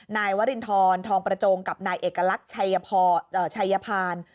นายวรินทรทองประจงกับนายเอกลักษณ์ชัยพาน